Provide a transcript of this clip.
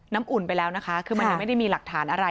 อุ่นไปแล้วนะคะคือมันยังไม่ได้มีหลักฐานอะไร